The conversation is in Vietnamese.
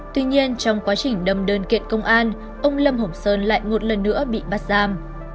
tuy nhiên trong quá trình đâm đơn kiện công an ông lâm hồng sơn lại một lần nữa bị bắt giam